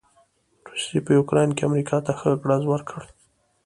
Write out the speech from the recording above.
روسې په يوکراين کې امریکا ته ښه ګړز ورکړ.